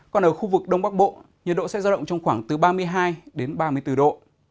còn ở khu vực đông bắc bộ nhiệt độ sẽ giao động trong khoảng từ ba mươi hai đến ba mươi bốn độ